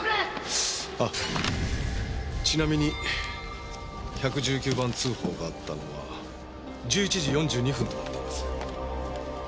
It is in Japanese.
あっちなみに１１９番通報があったのは１１時４２分となっています。